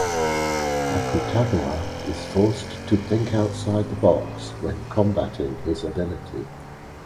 Akutagawa is forced to think outside the box when combatting his ability.